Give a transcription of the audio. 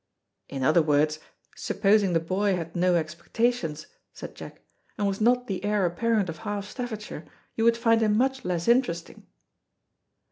"In other words, supposing the boy had no expectations," said Jack, "and was not the heir apparent of half Staffordshire, you would find him much less interesting."